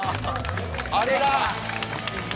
あれだ！